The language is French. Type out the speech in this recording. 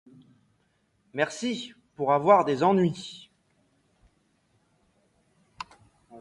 Merci ! pour avoir des ennuis !